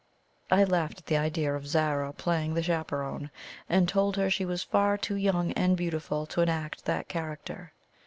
I laughed at the idea of Zara playing the chaperon, and told her she was far too young and beautiful to enact that character.